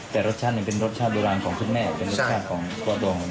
แต่รสชาติเป็นรสชาติโบราณของคุณแม่เป็นรสชาติของตัวดอง